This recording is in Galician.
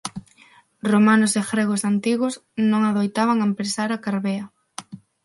Romanos e gregos antigos non adoitaban empresar a carvea.